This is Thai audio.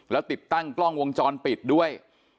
แล้วติดตั้งกล้องวงจรปิดด้วย